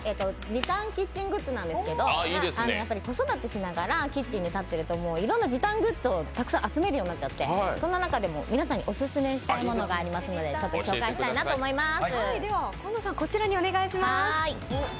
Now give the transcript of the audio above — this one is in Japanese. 時短キッチングッズなんですが子育てしながらキッチンに立っているといろんな時短グッズをたくさん集めるようになっちゃってそんな中でも皆さんにオススメしたいものがありますのでちょっと紹介したいと思います。